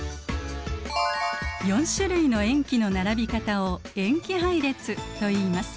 ４種類の塩基の並び方を塩基配列といいます。